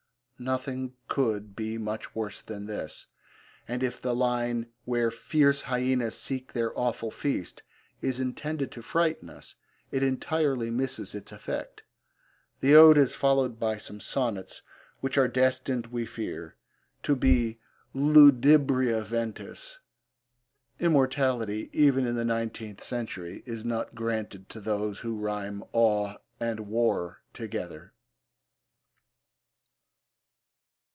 Nothing could be much worse than this, and if the line 'Where fierce hyaenas seek their awful feast' is intended to frighten us, it entirely misses its effect. The ode is followed by some sonnets which are destined, we fear, to be ludibria ventis. Immortality, even in the nineteenth century, is not granted to those who rhyme 'awe' and 'war' together.